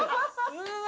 うわ！